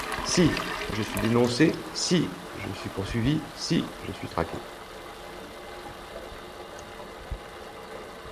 Si! je suis dénoncé ! si ! je suis poursuivi ! si ! je suis traqué !